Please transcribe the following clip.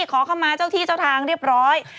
ขอเข้ามาเจ้าที่เจ้าทางเรียบร้อย